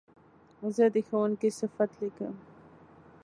زه د ښوونکي صفت لیکم.